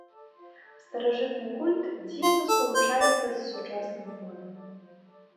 Старажытны культ дзіўна спалучаецца з сучасным фонам.